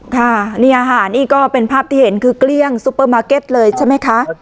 ค่ะนี่ค่ะนี่ก็เป็นภาพที่เห็นคือเกลี้ยงซูเปอร์มาร์เก็ตเลยใช่ไหมคะ